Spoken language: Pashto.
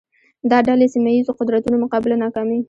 دا ډلې سیمه ییزو قدرتونو مقابله ناکامې